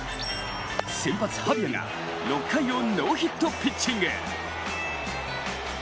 先発・ハビアが６回をノーヒットピッチング。